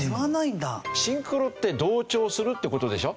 「シンクロ」って同調するって事でしょ？